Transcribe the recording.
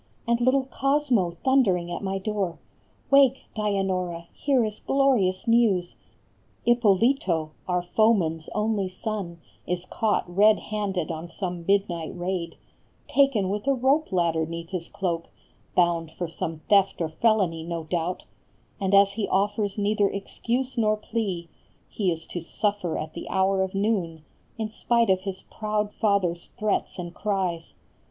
4 And little Cosmo thundering at my door; " Wake, Dianora, here is glorious news ! Ippolito, our foeman s only son, 100 A FLORENTINE JULIET. Is caught red handed on some midnight raid, Taken with a rope ladder neath his cloak, Bound for some theft or felony, no doubt ; And as he offers neither excuse nor plea, He is to suffer at the hour of noon, In spite of his proud father s threats and cries.